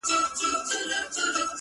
دا چي انجوني ټولي ژاړي سترگي سرې دي،